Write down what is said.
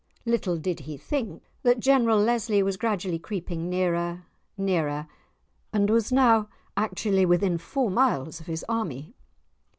Little did he think that General Lesly was gradually creeping nearer, nearer, and was now actually within four miles of his army.